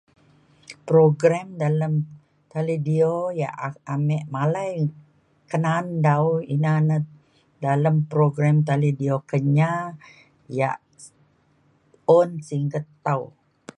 program dalem talidio ya' um amek malai ke na'an dau ne ina dalem program talidio kenyah ya' un singket tau.